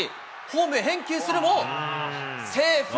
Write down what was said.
ホームへ返球するも、セーフ。